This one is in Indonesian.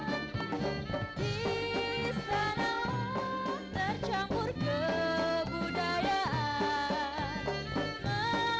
di sanalah tercampur kebudayaan